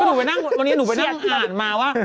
จริงวันนี้หนูไปนั่งอ่านมาว่า